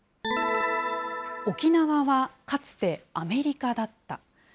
沖縄はかつてアメリカだった。